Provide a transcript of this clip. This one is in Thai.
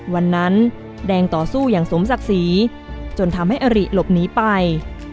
วันนั้นแดงต่อสู้อย่างสมศักดิ์ศรีจนทำให้อริหลบหนีไป